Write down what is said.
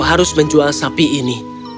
harus menjual sapi ini